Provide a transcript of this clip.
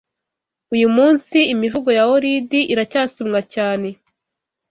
Uyu munsi imivugo ya Woridi iracyasomwa cyane